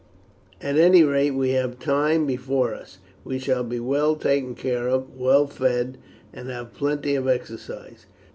At any rate we have time before us. We shall be well taken care of, well fed, and have plenty of exercise.